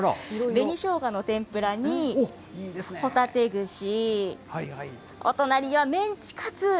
紅しょうがの天ぷらに、ホタテ串、お隣はメンチカツ。